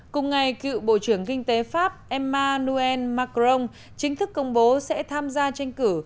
cùng ngày cựu bộ trưởng kinh tế pháp emmanuel macron chính thức công bố sẽ tham gia tranh cử